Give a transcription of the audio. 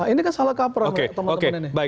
ini kan salah kaprah teman teman ini